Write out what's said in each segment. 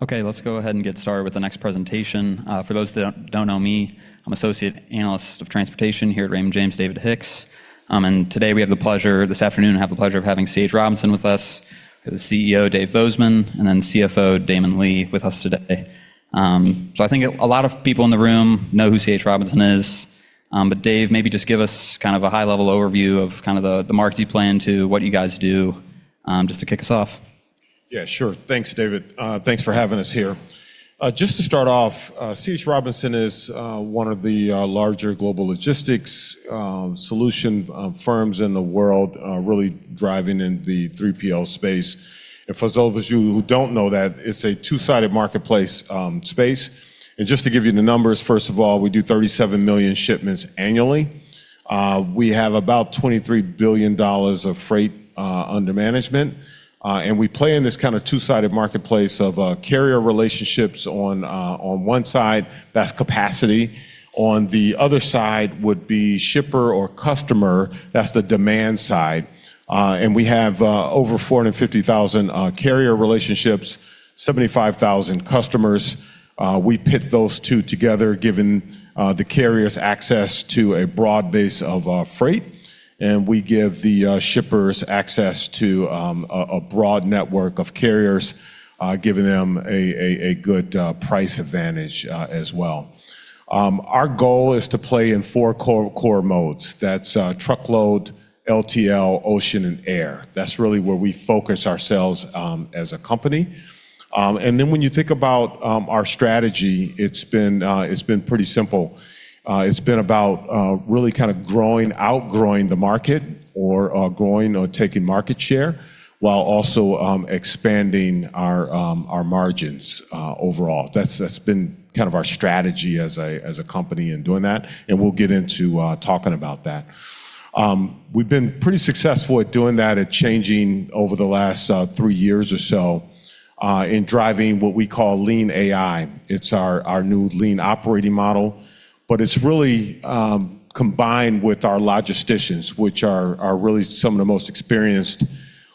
Let's go ahead and get started with the next presentation. For those that don't know me, I'm Associate Analyst of Transportation here at Raymond James, David Hicks. Today we have the pleasure this afternoon, I have the pleasure of having C.H. Robinson with us. We have the CEO, Dave Bozeman, and then CFO, Damon Lee, with us today. I think a lot of people in the room know who C.H. Robinson is. Dave, maybe just give us kind of a high-level overview of kinda the markets you play into, what you guys do, just to kick us off. Yeah, sure. Thanks, David. Thanks for having us here. Just to start off, C.H. Robinson is one of the larger global logistics solution firms in the world, really driving in the 3PL space. For those of you who don't know that, it's a two-sided marketplace space. Just to give you the numbers, first of all, we do 37 million shipments annually. We have about $23 billion of freight under management. We play in this kind of two-sided marketplace of carrier relationships on one side, that's capacity. On the other side would be shipper or customer, that's the demand side. We have over 450,000 carrier relationships, 75,000 customers. We pit those two together, giving the carriers access to a broad base of freight, and we give the shippers access to a broad network of carriers, giving them a good price advantage as well. Our goal is to play in four core modes. That's truckload, LTL, ocean, and air. That's really where we focus ourselves as a company. When you think about our strategy, it's been pretty simple. It's been about really kinda growing, outgrowing the market or growing or taking market share while also expanding our margins overall. That's been kind of our strategy as a company in doing that, and we'll get into talking about that. We've been pretty successful at doing that and changing over the last 3 years or so in driving what we call Lean AI. It's our new lean operating model. It's really combined with our logisticians, which are really some of the most experienced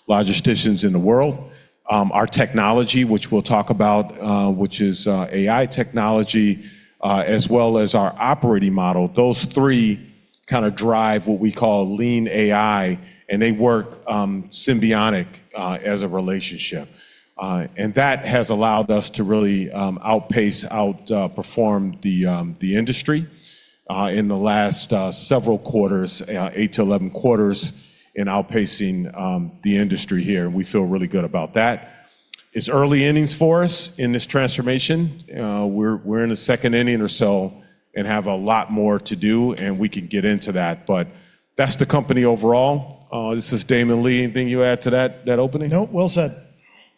logisticians in the world. Our technology, which we'll talk about, which is AI technology, as well as our operating model. Those 3 kinda drive what we call Lean AI, and they work symbiotic as a relationship. That has allowed us to really outpace, outperform the industry in the last several quarters, 8-11 quarters in outpacing the industry here, and we feel really good about that. It's early innings for us in this transformation. We're in the second inning or so and have a lot more to do, and we can get into that. That's the company overall. This is Damon Lee. Anything you add to that opening? No, well said.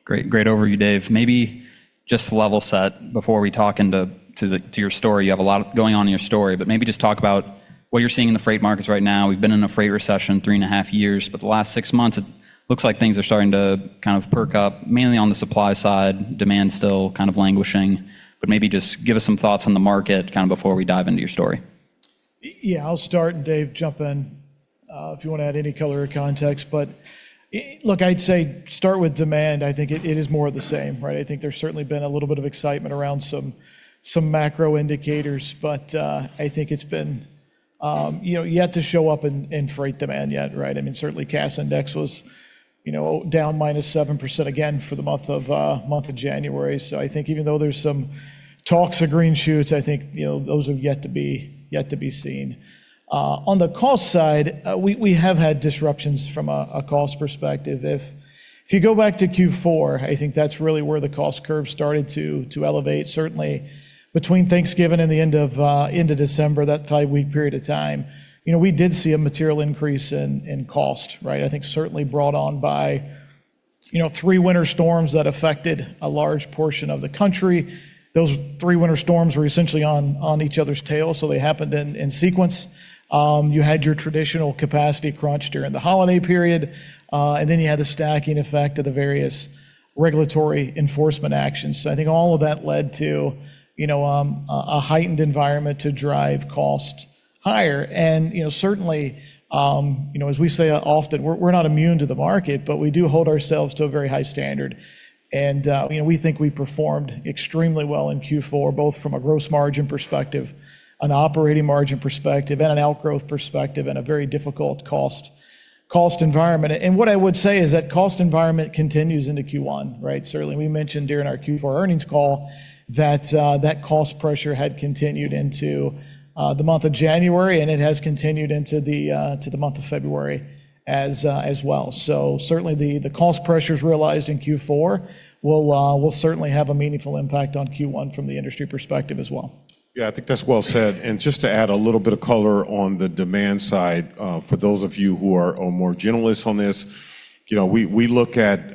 Great. Great overview, Dave. Maybe just to level set before we talk into, to the, to your story. You have a lot going on in your story. Maybe just talk about what you're seeing in the freight markets right now. We've been in a freight recession 3.5 years, but the last 6 months it looks like things are starting to kind of perk up, mainly on the supply side. Demand's still kind of languishing. Maybe just give us some thoughts on the market kind of before we dive into your story. Yeah, I'll start, Dave, jump in, if you wanna add any color or context. Look, I'd say start with demand. I think it is more of the same, right? I think there's certainly been a little bit of excitement around some macro indicators, I think it's been, you know, yet to show up in freight demand yet, right? I mean, certainly Cass Freight Index was, you know, down -7% again for the month of January. I think even though there's some talks of green shoots, I think, you know, those have yet to be seen. On the cost side, we have had disruptions from a cost perspective. If you go back to Q4, I think that's really where the cost curve started to elevate. Certainly between Thanksgiving and the end of December, that 5-week period of time, you know, we did see a material increase in cost, right? I think certainly brought on by, you know, 3 winter storms that affected a large portion of the country. Those 3 winter storms were essentially on each other's tail, they happened in sequence. You had your traditional capacity crunch during the holiday period. You had the stacking effect of the various regulatory enforcement actions. I think all of that led to, you know, a heightened environment to drive cost higher. You know, certainly, you know, as we say often, we're not immune to the market, but we do hold ourselves to a very high standard. You know, we think we performed extremely well in Q4, both from a gross margin perspective, an operating margin perspective, and an outgrowth perspective in a very difficult cost environment. What I would say is that cost environment continues into Q1, right? Certainly, we mentioned during our Q4 earnings call that cost pressure had continued into the month of January, and it has continued into the month of February as well. Certainly the cost pressures realized in Q4 will certainly have a meaningful impact on Q1 from the industry perspective as well. Yeah, I think that's well said. Just to add a little bit of color on the demand side, for those of you who are more generalists on this, you know, we look at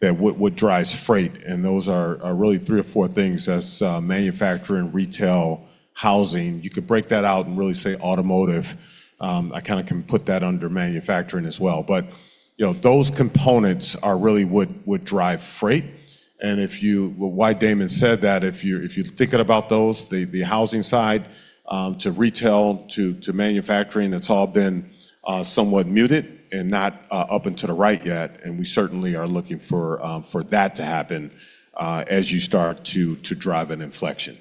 what drives freight, and those are really 3 or 4 things. That's manufacturing, retail, housing. You could break that out and really say automotive. I kind of can put that under manufacturing as well. You know, those components are really what drive freight. If you why Damon said that, if you're thinking about those, the housing side, to retail, to manufacturing, that's all been somewhat muted and not up and to the right yet, and we certainly are looking for that to happen as you start to drive an inflection.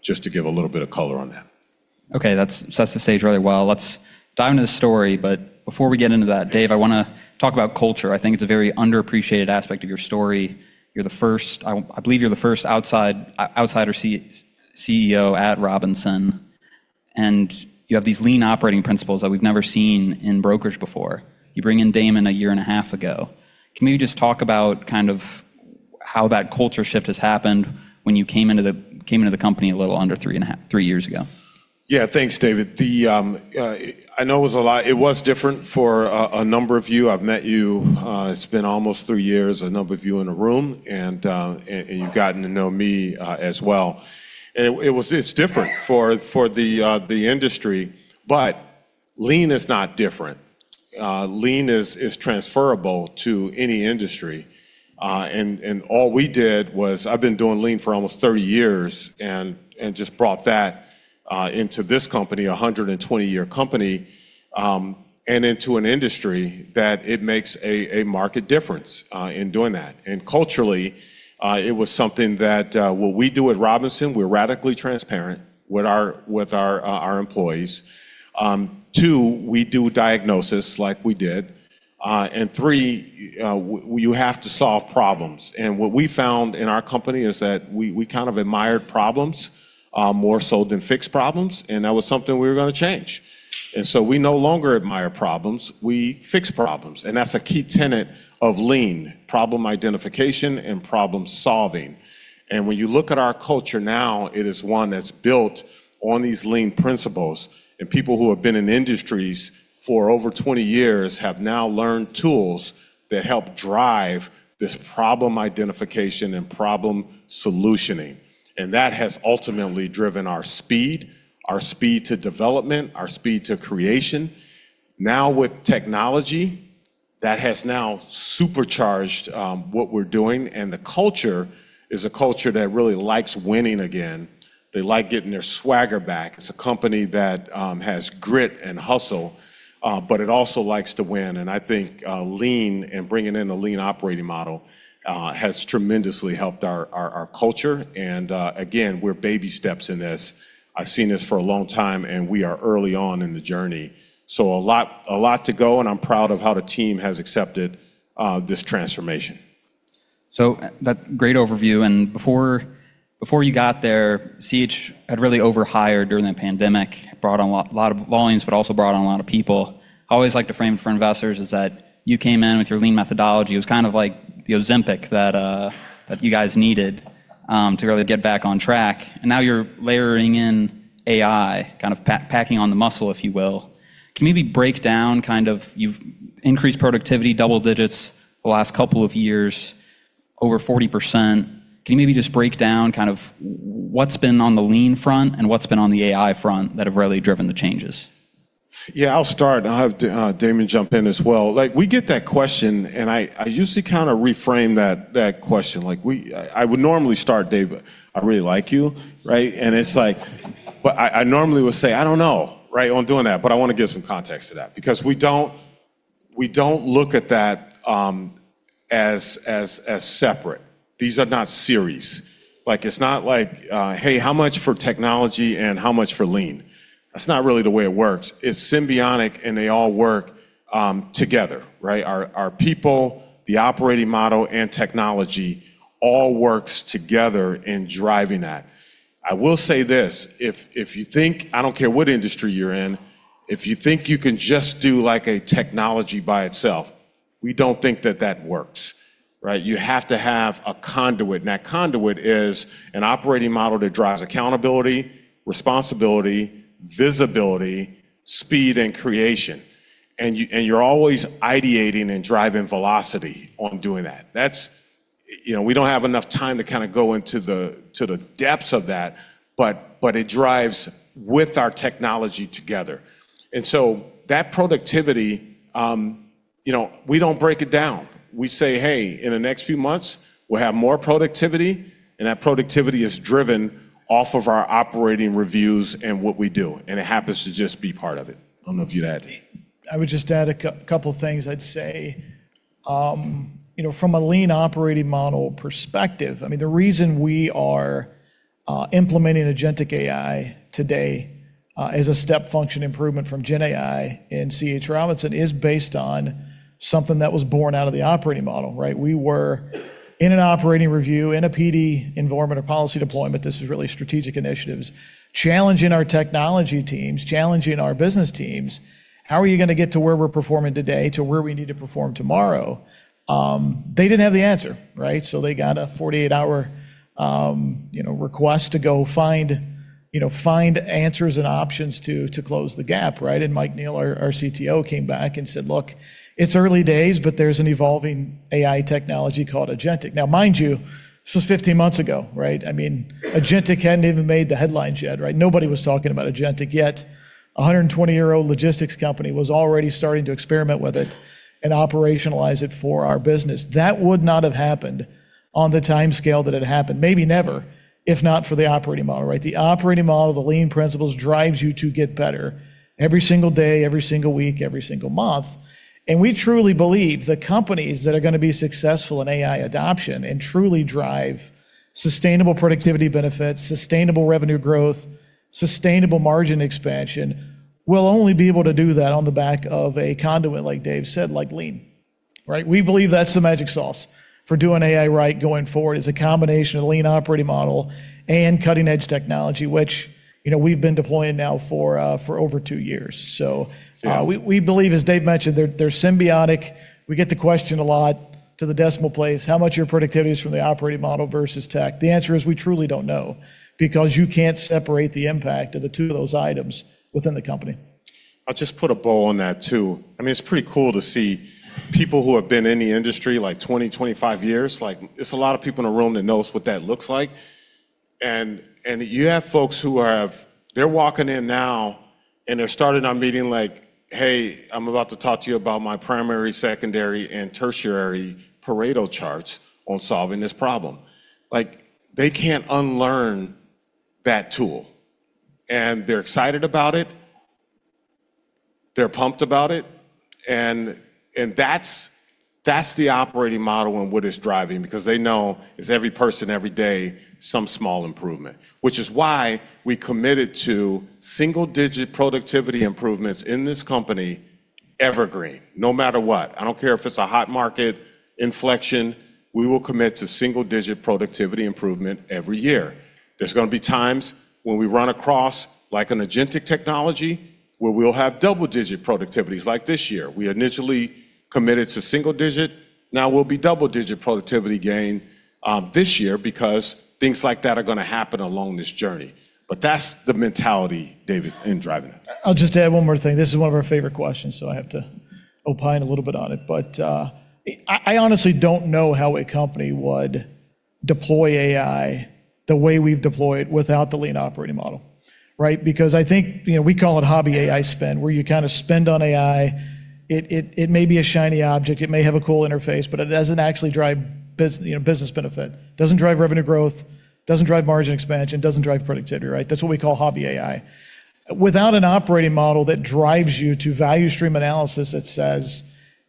Just to give a little bit of color on that. Okay. That sets the stage really well. Let's dive into the story, but before we get into that, Dave, I wanna talk about culture. I think it's a very underappreciated aspect of your story. I believe you're the first outside CEO at Robinson, and you have these lean operating principles that we've never seen in brokerage before. You bring in Damon a year and a half ago. Can you just talk about kind of how that culture shift has happened when you came into the company a little under three years ago? Yeah. Thanks, David. The, I know it was a lot. It was different for a number of you. I've met you, it's been almost three years, a number of you in a room, and you've gotten to know me as well. It's different for the industry, but lean is not different. Lean is transferable to any industry. All we did was I've been doing lean for almost 30 years and just brought that into this company, a 120-year company, and into an industry that it makes a marked difference in doing that. Culturally, it was something that what we do at Robinson, we're radically transparent with our employees. Two, we do diagnosis like we did. Three, you have to solve problems. What we found in our company is that we kind of admired problems more so than fixed problems, and that was something we were gonna change. We no longer admire problems, we fix problems, and that's a key tenet of lean, problem identification and problem-solving. When you look at our culture now, it is one that's built on these lean principles, and people who have been in industries for over 20 years have now learned tools that help drive this problem identification and problem solutioning. That has ultimately driven our speed, our speed to development, our speed to creation. Now with technology, that has now supercharged what we're doing, the culture is a culture that really likes winning again. They like getting their swagger back. It's a company that has grit and hustle, but it also likes to win. I think lean and bringing in a lean operating model has tremendously helped our culture. Again, we're baby steps in this. I've seen this for a long time, and we are early on in the journey. A lot to go, and I'm proud of how the team has accepted this transformation. That great overview. Before you got there, C.H. Robinson had really overhired during the pandemic, brought on a lot of volumes, but also brought on a lot of people. I always like to frame for investors is that you came in with your lean methodology. It was kind of like the Ozempic that you guys needed to really get back on track. Now you're layering in AI, kind of packing on the muscle, if you will. Can you maybe break down kind of you've increased productivity double digits the last couple of years, over 40%. Can you maybe just break down kind of what's been on the lean front and what's been on the AI front that have really driven the changes? Yeah, I'll start. I'll have Damon jump in as well. Like, we get that question, and I usually kinda reframe that question. Like, I would normally start, Dave, I really like you, right? I normally would say, "I don't know," right, on doing that, but I wanna give some context to that because we don't, we don't look at that as separate. These are not series. Like, it's not like, "Hey, how much for technology and how much for lean?" That's not really the way it works. It's symbiotic, and they all work together, right? Our people, the operating model, and technology all works together in driving that. I will say this, if you think I don't care what industry you're in, if you think you can just do, like, a technology by itself, we don't think that that works, right? You have to have a conduit, that conduit is an operating model that drives accountability, responsibility, visibility, speed, and creation. You're always ideating and driving velocity on doing that. You know, we don't have enough time to kinda go into the depths of that, but it drives with our technology together. That productivity, you know, we don't break it down. We say, "Hey, in the next few months, we'll have more productivity," that productivity is driven off of our operating reviews and what we do, and it happens to just be part of it. I don't know if you'd add. I would just add a couple things. I'd say, you know, from a lean operating model perspective, I mean, the reason we are implementing agentic AI today, as a step function improvement from gen AI in C.H. Robinson is based on something that was born out of the operating model, right? We were in an operating review, in a PD environment or policy deployment, this is really strategic initiatives, challenging our technology teams, challenging our business teams, how are you gonna get to where we're performing today to where we need to perform tomorrow? They didn't have the answer, right? They got a 48-hour, you know, request to go find, you know, find answers and options to close the gap, right? Michael Neill, our CTO, came back and said, "Look, it's early days, but there's an evolving AI technology called agentic." Now mind you, this was 15 months ago, right? I mean, agentic hadn't even made the headlines yet, right? Nobody was talking about agentic yet. A 120-year-old logistics company was already starting to experiment with it and operationalize it for our business. That would not have happened on the timescale that it happened, maybe neverIf not for the operating model, right? The operating model, the Lean principles drives you to get better every single day, every single week, every single month. We truly believe the companies that are gonna be successful in AI adoption and truly drive sustainable productivity benefits, sustainable revenue growth, sustainable margin expansion will only be able to do that on the back of a conduit, like Dave said, like Lean, right? We believe that's the magic sauce for doing AI right going forward, is a combination of lean operating model and cutting-edge technology, which, you know, we've been deploying now for over two years. Yeah we believe, as Dave mentioned, they're symbiotic. We get the question a lot to the decimal place, how much of your productivity is from the operating model versus tech? The answer is we truly don't know because you can't separate the impact of the two of those items within the company. I'll just put a bow on that too. I mean, it's pretty cool to see people who have been in the industry like 20, 25 years, like it's a lot of people in the room that knows what that looks like. You have folks who are walking in now, and they're starting our meeting like, "Hey, I'm about to talk to you about my primary, secondary, and tertiary Pareto charts on solving this problem." Like, they can't unlearn that tool, they're excited about it, they're pumped about it. That's the operating model and what it's driving because they know it's every person, every day, some small improvement. Which is why we committed to single-digit productivity improvements in this company evergreen, no matter what. I don't care if it's a hot market inflection, we will commit to single-digit productivity improvement every year. There's gonna be times when we run across like an agentic technology where we'll have double-digit productivities, like this year. We initially committed to single digit, now we'll be double-digit productivity gain this year because things like that are gonna happen along this journey. That's the mentality, David, in driving that. I'll just add 1 more thing. This is 1 of our favorite questions, so I have to opine a little bit on it. I honestly don't know how a company would deploy AI the way we've deployed without the lean operating model, right? I think, you know, we call it hobby AI spend, where you kind of spend on AI. It may be a shiny object, it may have a cool interface, but it doesn't actually drive you know, business benefit. Doesn't drive revenue growth, doesn't drive margin expansion, doesn't drive productivity, right? That's what we call hobby AI. Without an operating model that drives you to value stream analysis that says,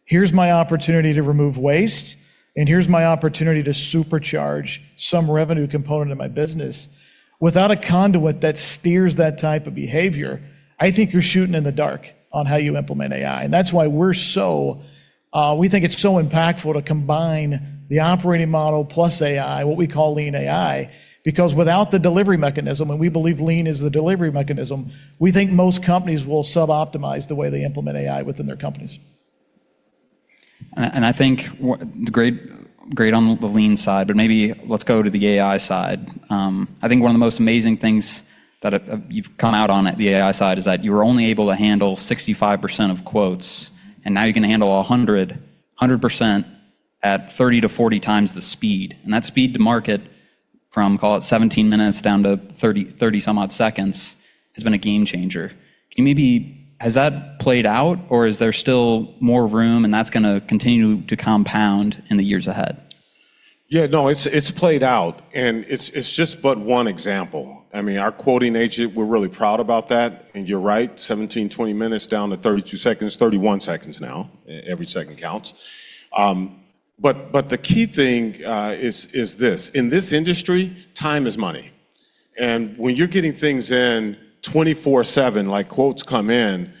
"Here's my opportunity to remove waste, and here's my opportunity to supercharge some revenue component of my business," without a conduit that steers that type of behavior, I think you're shooting in the dark on how you implement AI. That's why we're so, we think it's so impactful to combine the operating model plus AI, what we call Lean AI, because without the delivery mechanism, and we believe lean is the delivery mechanism, we think most companies will suboptimize the way they implement AI within their companies. I think great on the lean side, but maybe let's go to the AI side. I think one of the most amazing things that you've come out on at the AI side is that you were only able to handle 65% of quotes, and now you can handle 100% at 30 to 40 times the speed. That speed to market from, call it 17 minutes down to 30 some odd seconds has been a game changer. Has that played out, or is there still more room and that's gonna continue to compound in the years ahead? Yeah, no, it's played out, and it's just but one example. I mean, our quoting agent, we're really proud about that. You're right, 17, 20 minutes down to 32 seconds, 31 seconds now. Every second counts. The key thing is this: in this industry, time is money. When you're getting things in 24/7, like quotes come in,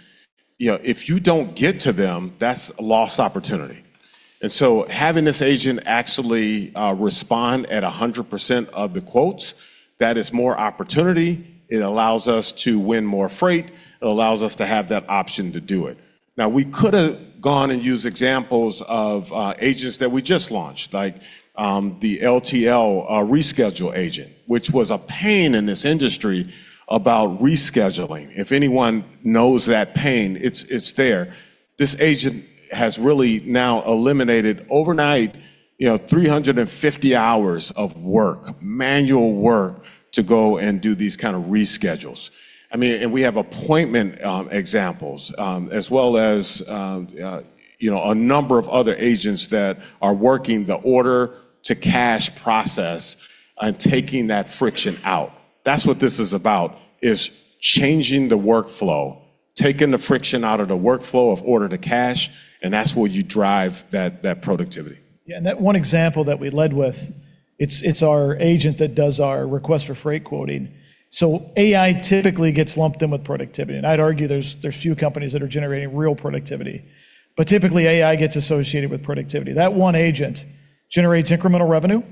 you know, if you don't get to them, that's a lost opportunity. Having this agent actually respond at 100% of the quotes, that is more opportunity. It allows us to win more freight. It allows us to have that option to do it. We could have gone and used examples of agents that we just launched, like the LTL reschedule agent, which was a pain in this industry about rescheduling. If anyone knows that pain, it's there. This agent has really now eliminated overnight, you know, 350 hours of work, manual work to go and do these kind of reschedules. I mean, and we have appointment examples, as well as, you know, a number of other agents that are working the order to cash process and taking that friction out. That's what this is about, is changing the workflow, taking the friction out of the workflow of order to cash, and that's where you drive that productivity. Yeah, that one example that we led with, it's our agent that does our request for freight quoting. AI typically gets lumped in with productivity, and I'd argue there's few companies that are generating real productivity, but typically AI gets associated with productivity. That one agent generates incremental revenue,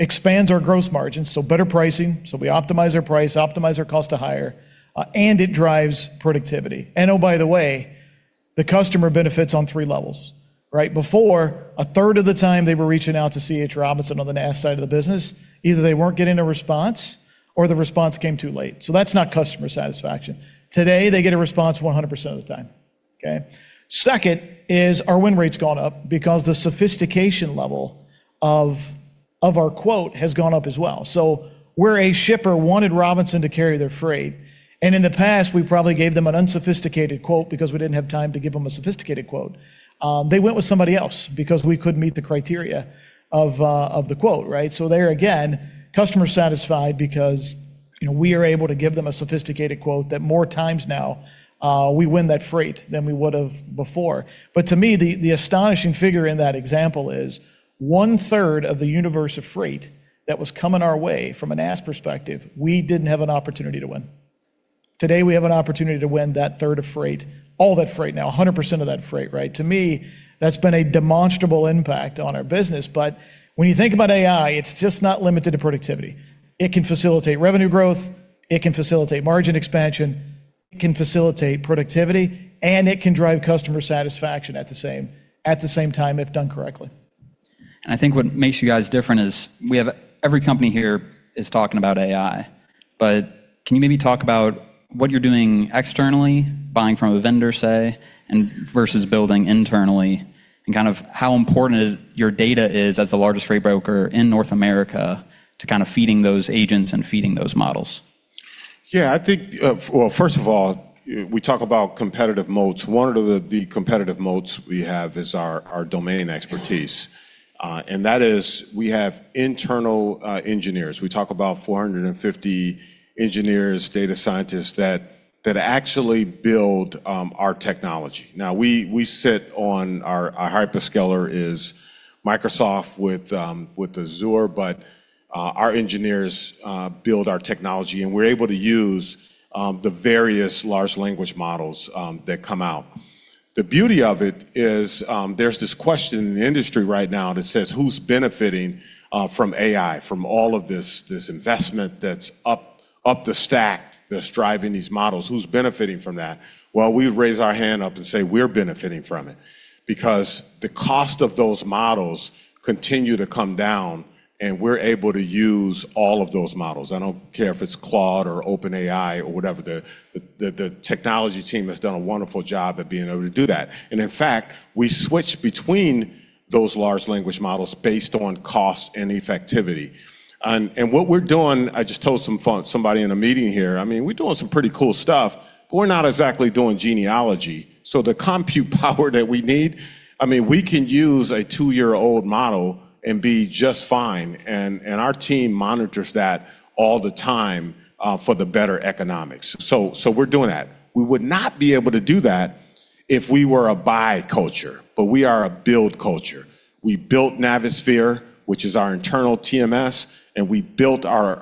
expands our gross margins, so better pricing, so we optimize our price, optimize our cost to hire, and it drives productivity. Oh, by the way, the customer benefits on 3 levels, right? Before, a third of the time they were reaching out to C.H. Robinson on the NAS side of the business, either they weren't getting a response or the response came too late. That's not customer satisfaction. Today, they get a response 100% of the time, okay? Second is our win rate's gone up because the sophistication level of our quote has gone up as well. Where a shipper wanted Robinson to carry their freight, and in the past, we probably gave them an unsophisticated quote because we didn't have time to give them a sophisticated quote, they went with somebody else because we couldn't meet the criteria of the quote, right? There again, customer's satisfied because you know, we are able to give them a sophisticated quote that more times now, we win that freight than we would have before. To me, the astonishing figure in that example is 1/3 of the universe of freight that was coming our way from a NAST perspective, we didn't have an opportunity to win. Today, we have an opportunity to win that 1/3 of freight, all that freight now, 100% of that freight, right? To me, that's been a demonstrable impact on our business. When you think about AI, it's just not limited to productivity. It can facilitate revenue growth, it can facilitate margin expansion, it can facilitate productivity, and it can drive customer satisfaction at the same time if done correctly. I think what makes you guys different is every company here is talking about AI, but can you maybe talk about what you're doing externally, buying from a vendor, say, and versus building internally and kind of how important your data is as the largest freight broker in North America to kind of feeding those agents and feeding those models? Yeah, I think, well, first of all, we talk about competitive moats. One of the competitive moats we have is our domain expertise. That is we have internal engineers. We talk about 450 engineers, data scientists that actually build our technology. Now we sit on our hyperscaler is Microsoft with Azure, but our engineers build our technology, and we're able to use the various large language models that come out. The beauty of it is, there's this question in the industry right now that says who's benefiting from AI, from all of this investment that's up the stack that's driving these models? Who's benefiting from that? Well, we raise our hand up and say we're benefiting from it because the cost of those models continue to come down, and we're able to use all of those models. I don't care if it's Claude or OpenAI or whatever. The technology team has done a wonderful job at being able to do that. In fact, we switch between those large language models based on cost and effectivity. What we're doing, I just told somebody in a meeting here, I mean, we're doing some pretty cool stuff, but we're not exactly doing genealogy. The compute power that we need, I mean, we can use a two-year-old model and be just fine. Our team monitors that all the time for the better economics. We're doing that. We would not be able to do that if we were a buy culture, but we are a build culture. We built Navisphere, which is our internal TMS, and we built our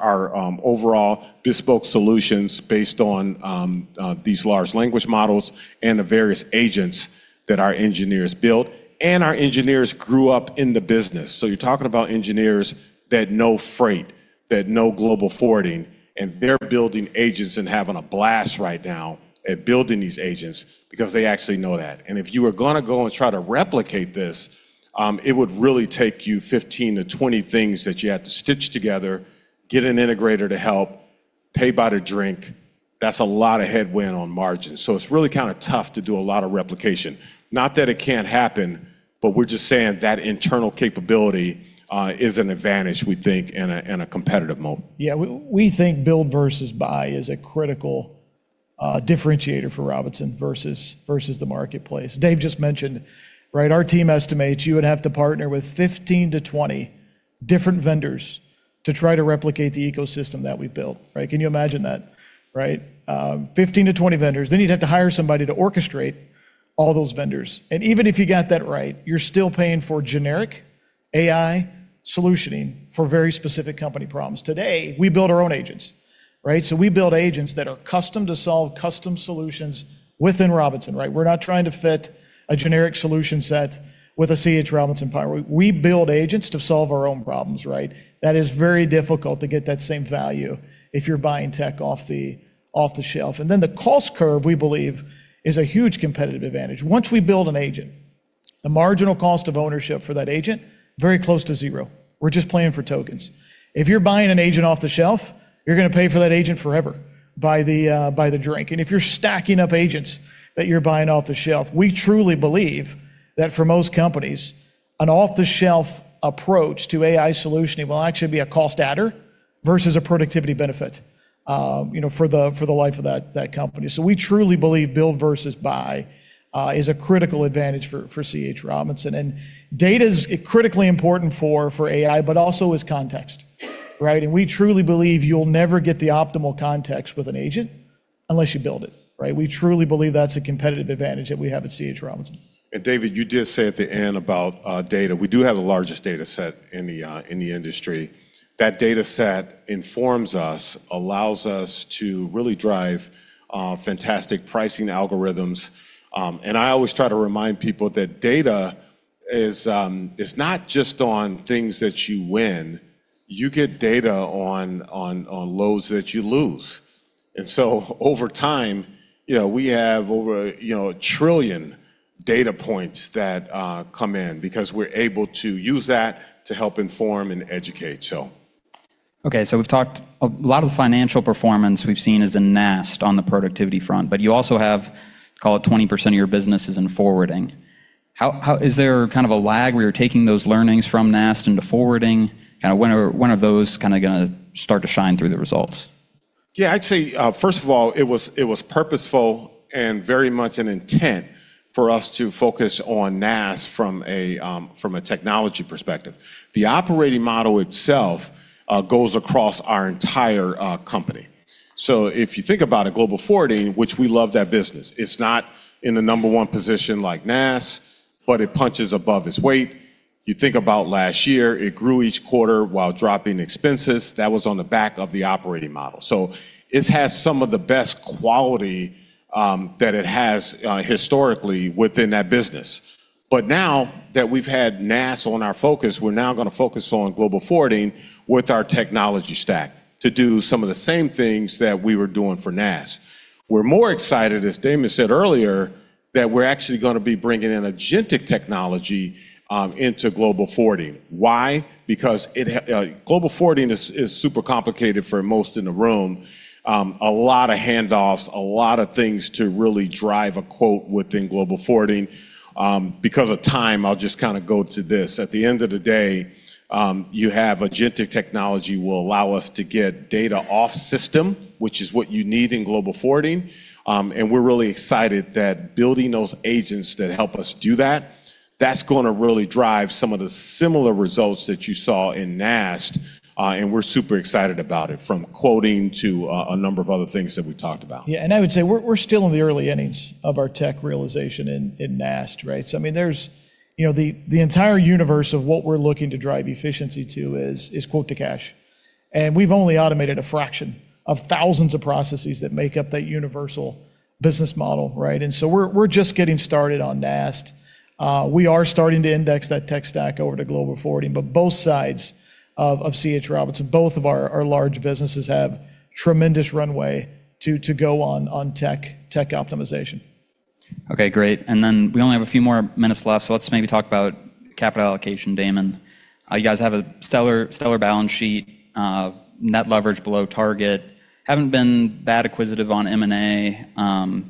overall bespoke solutions based on these large language models and the various agents that our engineers built. Our engineers grew up in the business. You're talking about engineers that know freight, that know global forwarding, and they're building agents and having a blast right now at building these agents because they actually know that. If you were gonna go and try to replicate this, it would really take you 15-20 things that you have to stitch together, get an integrator to help, pay by the drink. That's a lot of headwind on margins. It's really kinda tough to do a lot of replication. Not that it can't happen, but we're just saying that internal capability, is an advantage, we think, and a, and a competitive moat. Yeah. We think build versus buy is a critical differentiator for Robinson versus the marketplace. Dave just mentioned, right? Our team estimates you would have to partner with 15 to 20 different vendors to try to replicate the ecosystem that we built, right? Can you imagine that, right? 15 to 20 vendors. You'd have to hire somebody to orchestrate all those vendors. Even if you got that right, you're still paying for generic AI solutioning for very specific company problems. Today, we build our own agents, right? We build agents that are custom to solve custom solutions within Robinson, right? We're not trying to fit a generic solution set with a C.H. Robinson partner. We build agents to solve our own problems, right? That is very difficult to get that same value if you're buying tech off the shelf. The cost curve, we believe, is a huge competitive advantage. Once we build an agent, the marginal cost of ownership for that agent, very close to zero. We're just playing for tokens. If you're buying an agent off the shelf, you're gonna pay for that agent forever by the by the drink. If you're stacking up agents that you're buying off the shelf, we truly believe that for most companies, an off-the-shelf approach to AI solution will actually be a cost adder versus a productivity benefit, you know, for the life of that company. We truly believe build versus buy is a critical advantage for C.H. Robinson. Data is critically important for AI, but also is context, right? We truly believe you'll never get the optimal context with an agent unless you build it, right? We truly believe that's a competitive advantage that we have at C.H. Robinson. David, you did say at the end about data. We do have the largest data set in the industry. That data set informs us, allows us to really drive fantastic pricing algorithms. I always try to remind people that data is not just on things that you win. You get data on loads that you lose. Over time, you know, we have over, you know, 1 trillion data points that come in because we're able to use that to help inform and educate. We've talked a lot of the financial performance we've seen is in NAST on the productivity front, but you also have, call it, 20% of your business is in forwarding. How is there kind of a lag where you're taking those learnings from NAST into forwarding? Kinda when are those kinda gonna start to shine through the results? I'd say, first of all, it was, it was purposeful and very much an intent for us to focus on NAST from a technology perspective. The operating model itself goes across our entire company. If you think about it, Global Forwarding, which we love that business, it's not in the number one position like NAS, but it punches above its weight. You think about last year, it grew each quarter while dropping expenses. That was on the back of the operating model. This has some of the best quality that it has historically within that business. Now that we've had NAS on our focus, we're now gonna focus on Global Forwarding with our technology stack to do some of the same things that we were doing for NAS. We're more excited, as Damon said earlier, that we're actually gonna be bringing in agentic technology into Global Forwarding. Why? Because Global Forwarding is super complicated for most in the room. A lot of handoffs, a lot of things to really drive a quote within Global Forwarding. Because of time, I'll just kinda go to this. At the end of the day, agentic technology will allow us to get data off system, which is what you need in Global Forwarding. We're really excited that building those agents that help us do that's gonna really drive some of the similar results that you saw in NAS. We're super excited about it, from quoting to a number of other things that we've talked about. I would say we're still in the early innings of our tech realization in NAS, right? I mean, there's, you know, the entire universe of what we're looking to drive efficiency to is Quote to cash. We've only automated a fraction of thousands of processes that make up that universal business model, right? We're, we're just getting started on NAS. We are starting to index that tech stack over to Global Forwarding. Both sides of C.H. Robinson, both of our large businesses have tremendous runway to go on tech optimization. Okay, great. We only have a few more minutes left, so let's maybe talk about capital allocation, Damon. You guys have a stellar balance sheet, net leverage below target. Haven't been that acquisitive on M&A,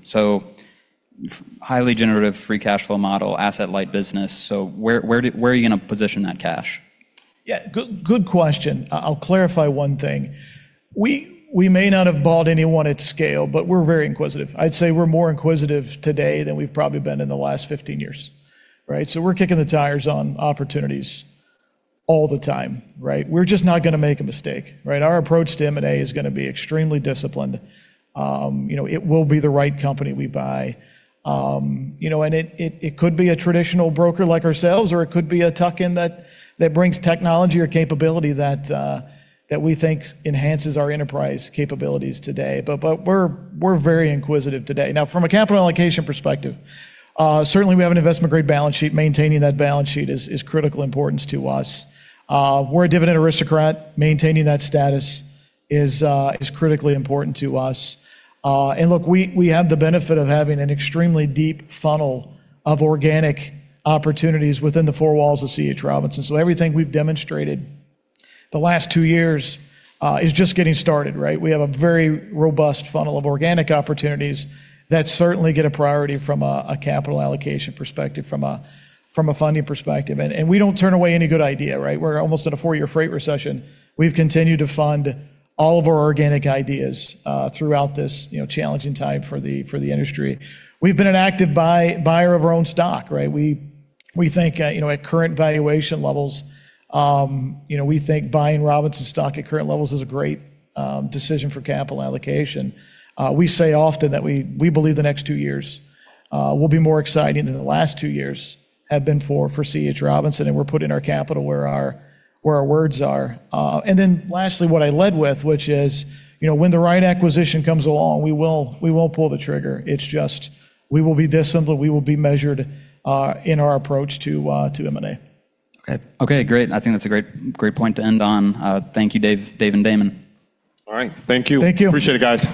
so highly generative free cash flow model, asset light business. Where are you gonna position that cash? Yeah. Good, good question. I'll clarify one thing. We may not have bought anyone at scale, but we're very acquisitive. I'd say we're more acquisitive today than we've probably been in the last 15 years, right? We're kicking the tires on opportunities all the time, right? We're just not gonna make a mistake, right? Our approach to M&A is gonna be extremely disciplined. You know, it will be the right company we buy. You know, and it could be a traditional broker like ourselves, or it could be a tuck-in that brings technology or capability that we think enhances our enterprise capabilities today. But we're very acquisitive today. From a capital allocation perspective, certainly we have an investment grade balance sheet. Maintaining that balance sheet is critical importance to us. We're a Dividend Aristocrat. Maintaining that status is critically important to us. Look, we have the benefit of having an extremely deep funnel of organic opportunities within the four walls of C.H. Robinson. Everything we've demonstrated the last two years, is just getting started, right? We have a very robust funnel of organic opportunities that certainly get a priority from a capital allocation perspective, from a, from a funding perspective. We don't turn away any good idea, right? We're almost at a four-year freight recession. We've continued to fund all of our organic ideas, throughout this, you know, challenging time for the, for the industry. We've been an active buyer of our own stock, right? We think, you know, at current valuation levels, you know, we think buying Robinson stock at current levels is a great decision for capital allocation. We say often that we believe the next two years will be more exciting than the last two years have been for C.H. Robinson, and we're putting our capital where our words are. Lastly, what I led with, which is, you know, when the right acquisition comes along, we will pull the trigger. It's just we will be disciplined. We will be measured in our approach to M&A. Okay. Okay, great. I think that's a great point to end on. Thank you, Dave and Damon. All right. Thank you. Thank you. Appreciate it, guys.